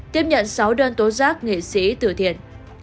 tiếp nhận sáu đơn tố giác nghệ sĩ tử thiện